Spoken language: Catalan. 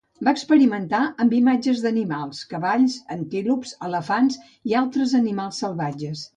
Va experimentar amb imatges d'animals -cavalls, antílops, elefants i altres animals salvatges.